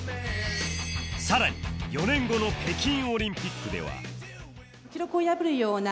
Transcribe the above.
さらに４年後の北京オリンピックでは